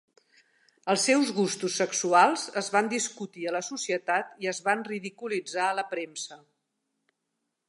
Els seus gustos sexuals es van discutir a la societat i es van ridiculitzar a la premsa.